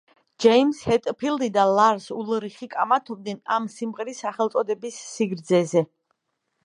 ჯეიმზ ჰეტფილდი და ლარს ულრიხი კამათობდნენ ამ სიმღერის სახელწოდების სიგრძეზე.